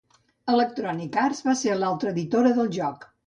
Electronic Arts va ser l'altra editora del joc.